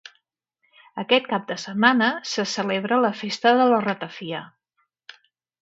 Aquest cap de setmana se celebra la Festa de la Ratafia.